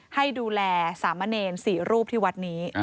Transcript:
ให้ดูแลสามเณร๔รูปที่วัดนี้